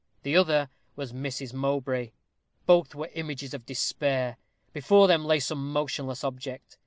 The other was Mrs. Mowbray. Both were images of despair. Before them lay some motionless object.